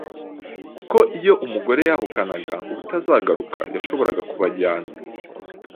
kuko iyo umugore yahukanaga ubutazagaruka, yashoboraga kubajyana.